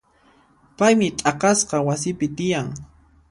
Paymi t'aqasqa wasipi tiyan.